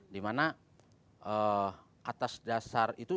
dimana atas dasar itu